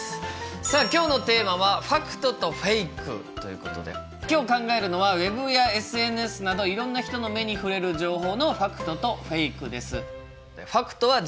さあ今日のテーマは「『ファクト』と『フェイク』」ということで今日考えるのはＷＥＢやＳＮＳなどいろんな人の目に触れる情報のファクトとフェイクです。